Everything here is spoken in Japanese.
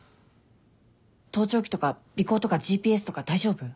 盗聴器とか尾行とかＧＰＳとか大丈夫？